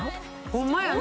ホンマやな。